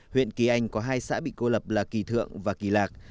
huyện kỳ anh có hai xã bị cô lập là kỳ thượng và kỳ lạc